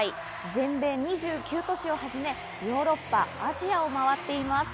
全米２９都市をはじめ、ヨーロッパ、アジアを回っています。